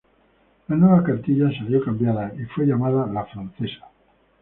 La nueva cartilla salió cambiada y fue llamada "la francesa".